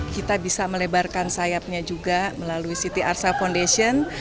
kita bisa melebarkan sayapnya juga melalui ct arsa foundation